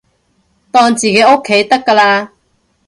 當自己屋企得㗎喇